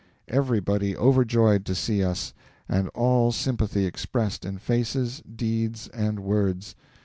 Everybody overjoyed to see us, and all sympathy expressed in faces, deeds, and words.